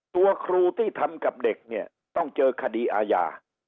ตัวครูที่ทำกับเด็กเนี่ยต้องเจอคดีอาญา